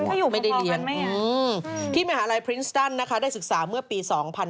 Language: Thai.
ไม่รู้ว่ะไม่ได้เลี้ยงอื้อที่มหาลัยพรินทสตั้นนะคะได้ศึกษาเมื่อปี๒๕๐๐